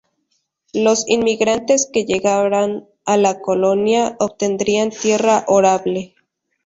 Los inmigrantes que llegaran a la colonia obtendrían tierra arable.